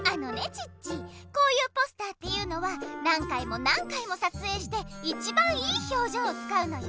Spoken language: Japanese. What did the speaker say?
チッチこういうポスターっていうのは何回も何回もさつえいして一番いいひょうじょうをつかうのよ。